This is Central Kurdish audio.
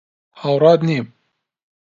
هاوڕات نیم.